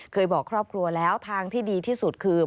บอกครอบครัวแล้วทางที่ดีที่สุดคือ